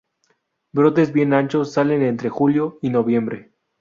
Brotes bien anchos salen entre julio y noviembre.